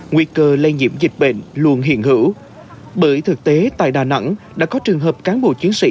nguy cơ lây nhiễm dịch bệnh luôn hiện hữu bởi thực tế tại đà nẵng đã có trường hợp cán bộ chiến sĩ